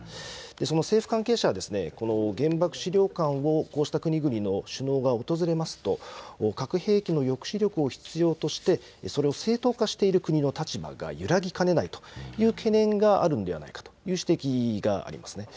その政府関係者は、原爆資料館をこうした国々の首脳が訪れますと、核兵器の抑止力を必要としてそれを正当化している国の立場が揺らぎかねないという懸念があるんではないかという指摘がありますね。